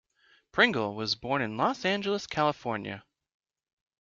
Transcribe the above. Pringle was born in Los Angeles, California.